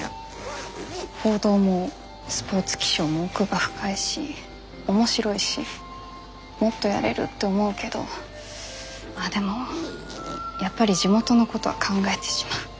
報道もスポーツ気象も奥が深いし面白いしもっとやれるって思うけどああでもやっぱり地元のことは考えてしまう。